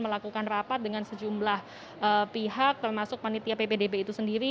melakukan rapat dengan sejumlah pihak termasuk panitia ppdb itu sendiri